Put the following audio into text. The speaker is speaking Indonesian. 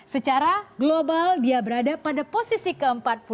secara global dia berada pada posisi ke empat puluh lima